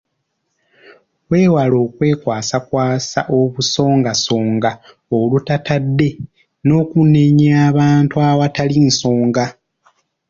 Weewale okwekwasakwasa obusongasonga olutatadde n'okunenya abalala awatali nsonga.